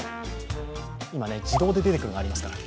今ね、自動で出てくるの、ありますから。